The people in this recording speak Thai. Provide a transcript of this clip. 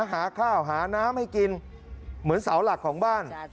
หาข้าวหาน้ำให้กินเหมือนเสาหลักของบ้าน